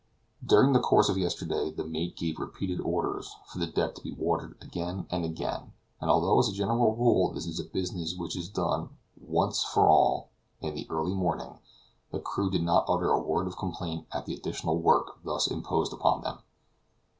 During the course of yesterday the mate gave repeated orders for the deck to be watered again and again, and although as a general rule this is a business which is done, once for all, in the early morning, the crew did not utter a word of complaint at the additional work thus imposed upon them.